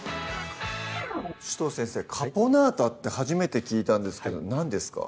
紫藤先生「カポナータ」って初めて聞いたんですけど何ですか？